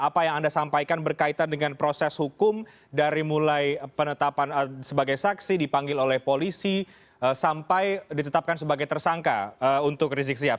apa yang anda sampaikan berkaitan dengan proses hukum dari mulai penetapan sebagai saksi dipanggil oleh polisi sampai ditetapkan sebagai tersangka untuk rizik sihab